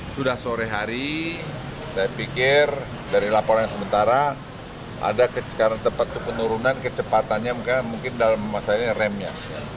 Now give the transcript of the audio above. sudah sore hari saya pikir dari laporan yang sementara ada penurunan kecepatannya mungkin dalam masalah ini remnya